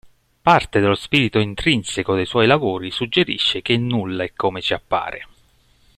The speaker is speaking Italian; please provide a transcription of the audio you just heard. Parte dello spirito intrinseco dei suoi lavori suggerisce che nulla è come ci appare.